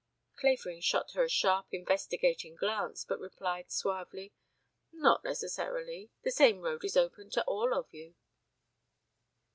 Clavering shot her a sharp investigating glance, but replied suavely: "Not necessarily. The same road is open to all of you."